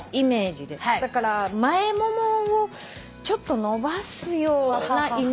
だから前ももをちょっと伸ばすようなイメージ。